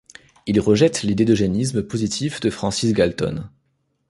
Il rejette l'idée d'eugénisme positif de Francis Galton.